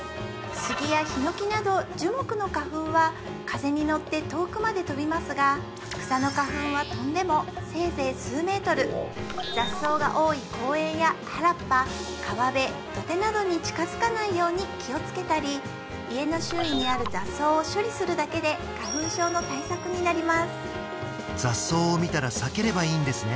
スギやヒノキなど樹木の花粉は風に乗って遠くまで飛びますが草の花粉は飛んでもせいぜい数メートル雑草が多い公園や原っぱ川辺土手などに近づかないように気をつけたり家の周囲にある雑草を処理するだけで花粉症の対策になります雑草を見たら避ければいいんですね